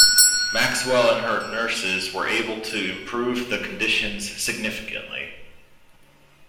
Maxwell and her nurses were able to improve the conditions significantly.